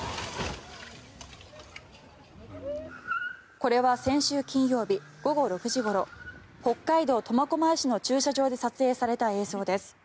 これは先週金曜日午後６時ごろ北海道苫小牧市の駐車場で撮影された映像です。